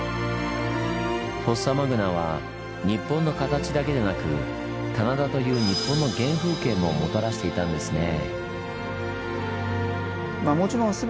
フォッサマグナは日本の形だけでなく棚田という日本の原風景ももたらしていたんですねぇ。